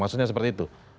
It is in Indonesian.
maksudnya seperti itu